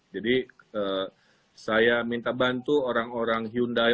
jadi saya minta bantu orang orang hyundai